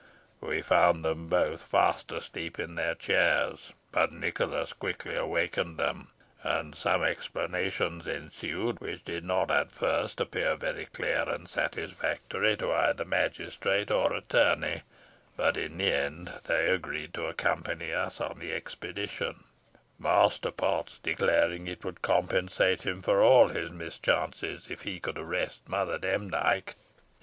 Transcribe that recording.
We found them both fast asleep in their chairs; but Nicholas quickly awakened them, and some explanations ensued, which did not at first appear very clear and satisfactory to either magistrate or attorney, but in the end they agreed to accompany us on the expedition, Master Potts declaring it would compensate him for all his mischances if he could arrest Mother Demdike."